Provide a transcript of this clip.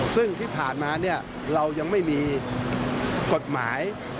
ซึ่งที่ผ่านมาเรายังไม่มีกฎหมาย